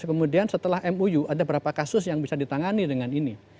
kemudian setelah mou ada berapa kasus yang bisa ditangani dengan ini